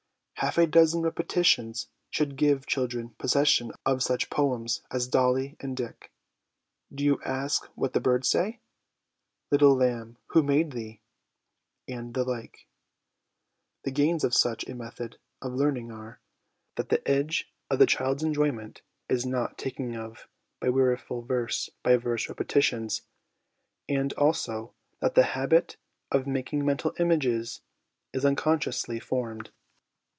Half a dozen repetitions should give children possession of such poems as 'Dolly and Dick,' 'Do you ask what the birds say?' 'Little lamb, who made thee?' and the like. The gains of such a method of learning are, that the edge of the child's enjoyment is not taken off by weariful verse by verse repetitions, and, also, that the habit of making mental images is unconsciously formed.